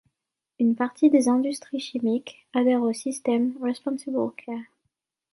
Une partie des industries chimiques adhèrent au système Responsible Care.